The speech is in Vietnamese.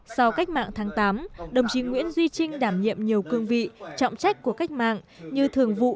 sau cách mạng tháng tám đồng chí nguyễn duy trinh đảm nhiệm nhiều cương vị trọng trách của cách mạng như thường vụ